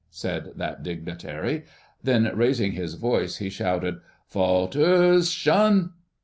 said that dignitary. Then, raising his voice, he shouted, "'Faulters, 'Shun!"